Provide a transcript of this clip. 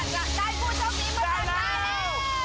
ได้แล้ว